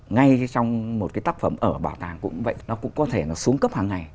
ngay trong một cái tác phẩm ở bảo tàng cũng vậy nó cũng có thể nó xuống cấp hàng ngày